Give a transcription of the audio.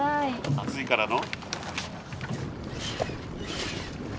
暑いからの。